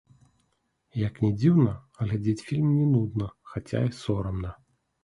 Як ні дзіўна, глядзець фільм не нудна, хаця і сорамна.